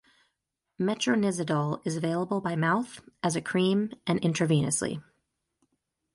Metronidazole is available by mouth, as a cream, and intravenously.